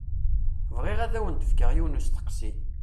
Bɣiɣ ad awen-d-fkeɣ yiwen n usteqsi.